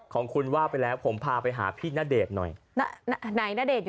ของคุณว่าไปแล้วผมพาไปหาพี่ณเดชน์หน่อย